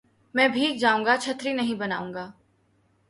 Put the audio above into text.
میں بھیگ جاؤں گا چھتری نہیں بناؤں گا